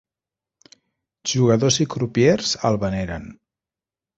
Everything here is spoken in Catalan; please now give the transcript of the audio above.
Jugadors i crupiers el veneren.